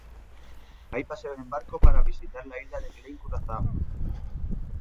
Hay paseos en barco para visitar la isla de Klein Curazao.